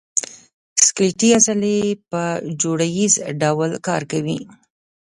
سکلیټي عضلې په جوړه ییز ډول کار کوي.